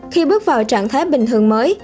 khi bước vào trạng thái bình thường mới